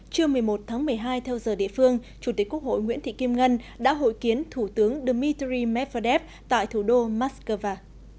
trưa một mươi một tháng một mươi hai theo giờ địa phương chủ tịch quốc hội nguyễn thị kim ngân đã hội kiến thủ tướng dmitry medvedev tại thủ đô moscow